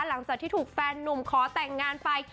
หลังจากที่ถูกแฟนนุ่มขอแต่งงานไป